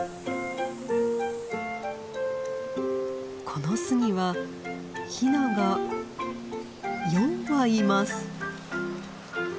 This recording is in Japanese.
この巣にはヒナが４羽います。